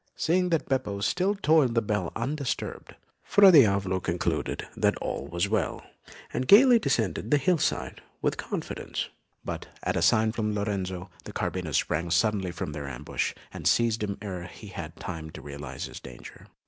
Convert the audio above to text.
Seeing that Beppo still tolled the bell undisturbed, Fra Diavolo concluded that all was well, and gaily descended the hillside with confidence; but at a sign from Lorenzo, the carbineers sprang suddenly from their ambush, and seized him ere he had time to realise his danger.